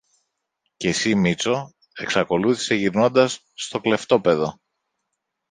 Και συ, Μήτσο, εξακολούθησε γυρνώντας στο κλεφτόπαιδο